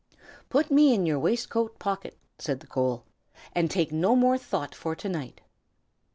"Put me in your waistcoat pocket," said the coal, "and take no more thought for to night."